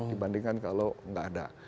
dibandingkan kalau tidak ada